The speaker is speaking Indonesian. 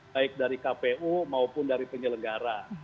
baik dari kpu maupun dari penyelenggara